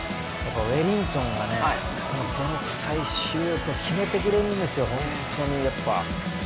ウェリントンが泥臭いシュートを決めてくれるんですよ。